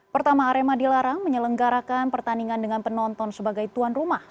pertama arema dilarang menyelenggarakan pertandingan dengan penonton sebagai tuan rumah